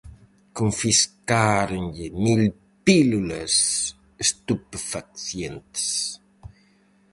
Confiscáronlle mil pílulas estupefacientes.